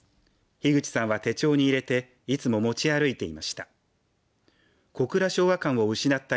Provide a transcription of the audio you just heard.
樋口さんは手帳に入れていつも持ち歩いていました。